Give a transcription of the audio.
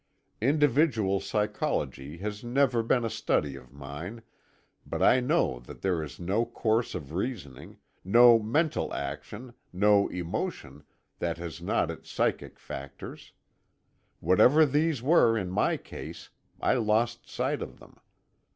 Individual psychology has never been a study of mine, but I know that there is no course of reasoning, no mental action, no emotion, that has not its psychic factors. Whatever these were in my case, I lost sight of them.